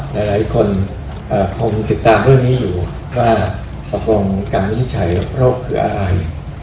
หลายคนคงติดตามเรื่องนี้อยู่ว่าตกลงการวินิจฉัยโรคคืออะไร